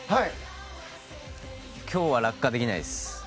今日は落下できないです。